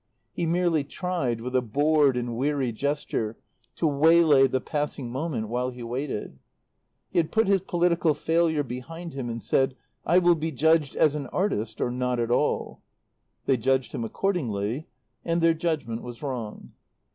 He merely tried, with a bored and weary gesture, to waylay the passing moment while he waited. He had put his political failure behind him and said, "I will be judged as an artist or not at all." They judged him accordingly and their judgment was wrong.